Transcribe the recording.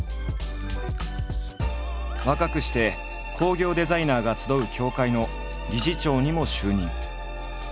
若くして工業デザイナーが集う協会の理事長にも就任。